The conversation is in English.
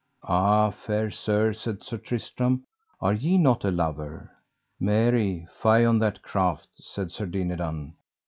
Ah, fair sir, said Sir Tristram are ye not a lover? Mary, fie on that craft! said Sir Dinadan.